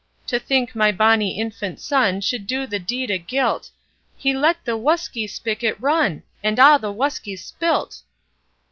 'To think my bonny infant son Should do the deed o' guilt _HE LET THE WHUSKEY SPIGOT RUN, AND A' THE WHUSKEY'S SPILT!